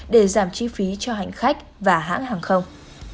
để giảm chi phí cho hành khách và hãng hàng không